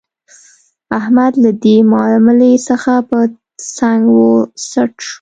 احمد له دې ماملې څخه په څنګ و څټ شو.